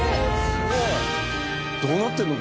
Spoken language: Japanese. すごい！どうなってんの？